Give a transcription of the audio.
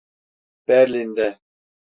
Berlin'de…